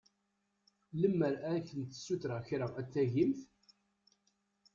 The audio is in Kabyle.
Lemmer ad kent-ssutreɣ kra ad tagimt?